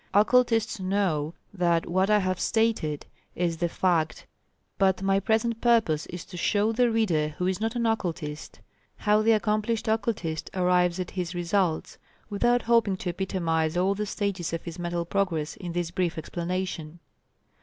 Occultists know that what I have stated is the fact, but my present purpose is to show the reader who is not an Occultist, how the accomplished Occultist arrives at his results, without hoping to epitomize all the stages of his mental progress in this brief explanation.